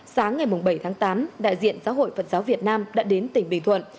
sáng ngày bảy tháng tám đại diện giáo hội phật giáo việt nam đã đến tỉnh bình thuận